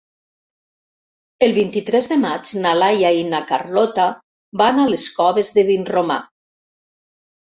El vint-i-tres de maig na Laia i na Carlota van a les Coves de Vinromà.